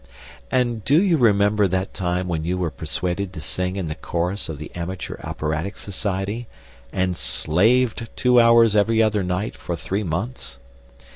And do you remember that time when you were persuaded to sing in the chorus of the amateur operatic society, and slaved two hours every other night for three months?